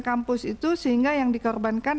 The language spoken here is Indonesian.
kampus itu sehingga yang dikorbankan